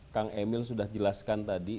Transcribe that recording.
kang emil sudah jelaskan tadi